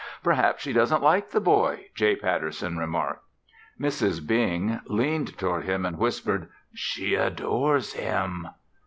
"Perhaps she doesn't like the boy," J. Patterson remarked. Mrs. Bing leaned toward him and whispered: "She adores him!"